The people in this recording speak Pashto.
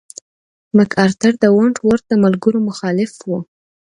مک ارتر د ونټ ورت د ملګرو مخالف و.